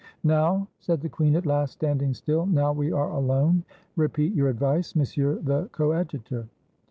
"Now," said the queen at last, standing still, — "now we are alone, repeat your advice, Monsieur the Coad jutor."